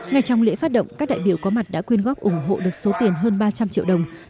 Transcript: ngay trong lễ phát động các đại biểu có mặt đã quyên góp ủng hộ được số tiền hơn ba trăm linh triệu đồng